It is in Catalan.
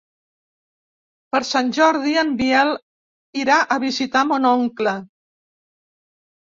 Per Sant Jordi en Biel irà a visitar mon oncle.